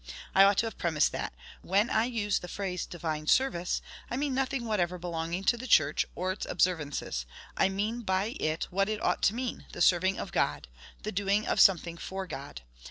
I ought to have premised that, when I use the phrase, DIVINE SERVICE, I mean nothing whatever belonging to the church, or its observances. I mean by it what it ought to mean the serving of God the doing of something for God.